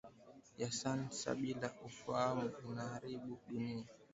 Sayansa bila ufaamu inaaribu dunia